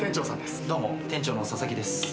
どうも店長のササキです。